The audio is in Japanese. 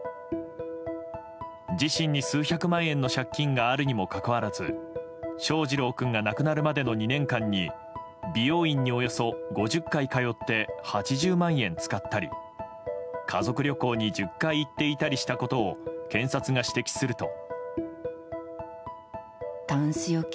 自身に数百万円の借金があるにもかかわらず翔士郎君が亡くなるまでの２年間に美容院におよそ５０回通って８０万円使ったり家族旅行に１０回行っていたりしたことを検察が指摘すると。